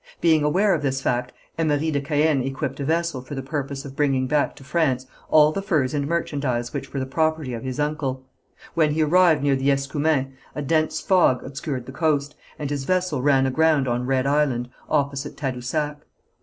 Being aware of this fact Emery de Caën equipped a vessel for the purpose of bringing back to France all the furs and merchandise which were the property of his uncle. When he arrived near the Escoumins a dense fog obscured the coast, and his vessel ran aground on Red Island, opposite Tadousac.